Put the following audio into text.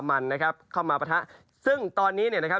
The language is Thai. มันนะครับเข้ามาปะทะซึ่งตอนนี้เนี่ยนะครับ